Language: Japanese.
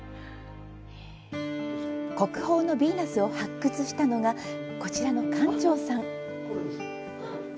国宝のビーナスを発掘したのがこちらの館長さん。